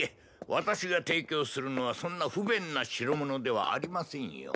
私が提供するのはそんな不便な代物ではありませんよ。